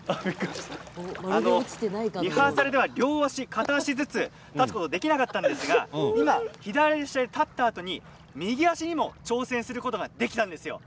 リハーサルでは両足、片足ずつ立つことができなかったんですが今、左足で立ったあと右足にも挑戦することができたんですよ。